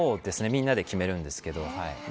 みんなで決めるんですけど。